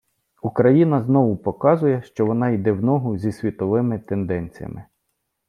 Україна знову показує, що вона іде в ногу зі світовими тенденціями.